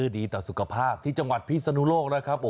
ดีต่อสุขภาพที่จังหวัดพิศนุโลกนะครับ